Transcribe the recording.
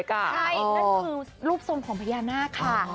ใช่นั่นคือรูปทรงของพญานาคค่ะ